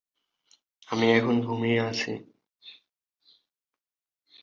এই প্রজাতির উদ্ভিদের আদি নিবাস ক্যারিবীয় দ্বীপপুঞ্জ।